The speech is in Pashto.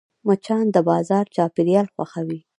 مچان د بازار چاپېریال خوښوي